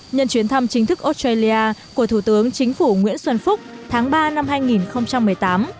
nhân chuyến thăm chính thức australia của thủ tướng chính phủ nguyễn xuân phúc tháng ba năm hai nghìn một mươi tám